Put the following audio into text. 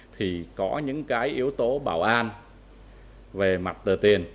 thì có những cái yếu tố bảo an về mặt tờ tiền